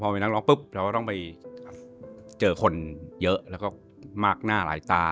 มีนักร้องปุ๊บเราก็ต้องไปเจอคนเยอะแล้วก็มากหน้าหลายตา